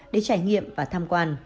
để trải nghiệm và tham quan